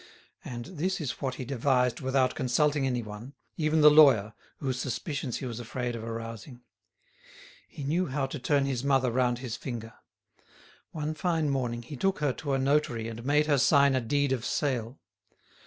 And this is what he devised without consulting anyone, even the lawyer, whose suspicions he was afraid of arousing. He knew how to turn his mother round his finger. One fine morning he took her to a notary and made her sign a deed of sale.